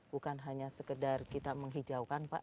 bukan hanya sekedar kita menghijaukan pak